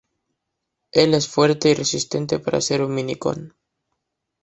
Él es fuerte y resistente para ser un Mini-Con.